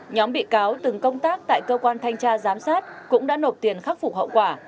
nhóm bị cáo từng công tác tại cơ quan thanh tra giám sát cũng đã nộp tiền khắc phục hậu quả